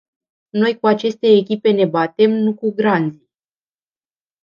Noi cu aceste echipe ne batem, nu cu granzii.